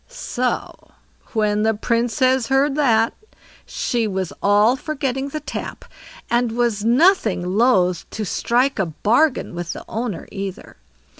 So when the Princess heard that, she was all for getting the tap, and was nothing loath to strike a bargain with the owner either.